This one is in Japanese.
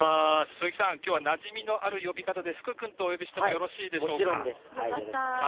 鈴木さん、きょうはなじみのある呼び方で福くんとお呼びしてももちろんです！